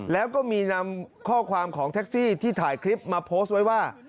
แล้วก็มีนำข้อความของแท็กซี่ที่ถ่ายคลิปมาโพสต์ไว้ว่า